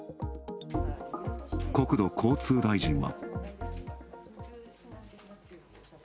国土交通大臣は。